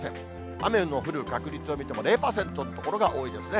雨の降る確率を見ても０％の所が多いですね。